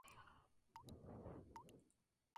Solo logró crear una única fábrica de telas de algodón.